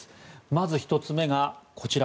まず、１つ目がこちら。